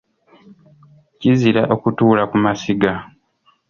Kizira okutuula ku masiga.